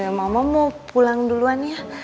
ya mama mau pulang duluan ya